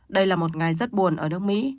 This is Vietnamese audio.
đây là một ngày rất buồn ở nước mỹ